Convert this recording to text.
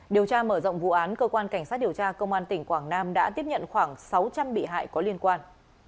điều tra mở rộng vụ án cơ quan cảnh sát điều tra công an tỉnh quảng nam đã tiếp nhận khoảng sáu trăm linh bị hại có liên quan